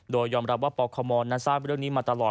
โดยยอมรับว่าปคมนั้นทราบเรื่องนี้มาตลอด